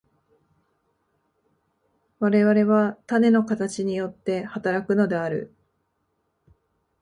我々は種の形によって働くのである。